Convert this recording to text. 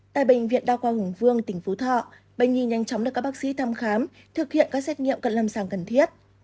tại bệnh viện đao khoa hùng vương tỉnh phú thọ bệnh nhi nhanh chóng được các bác sĩ thăm khám thực hiện các xét nghiệm cần làm sáng cần thiết